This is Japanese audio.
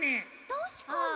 たしかに！